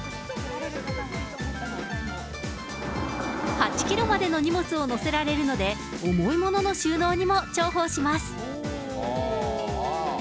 ８キロまでの荷物を載せられるので、重いものの収納にも重宝します。